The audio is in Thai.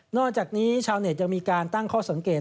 อกจากนี้ชาวเน็ตยังมีการตั้งข้อสังเกต